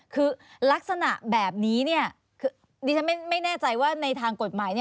คือลักษณะแบบนี้คือดิฉันไม่แน่ใจว่าในทางกฎหมาย